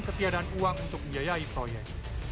ketiadaan uang untuk biayai proyek